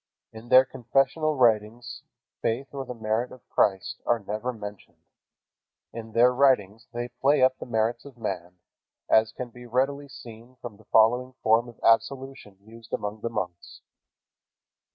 In their confessional writings faith or the merit of Christ are never mentioned. In their writings they play up the merits of man, as can readily be seen from the following form of absolution used among the monks.